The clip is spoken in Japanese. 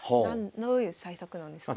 どういう対策なんですか？